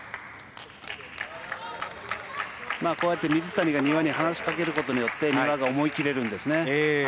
水谷が丹羽に話しかけることによって丹羽が思い切れるんですね。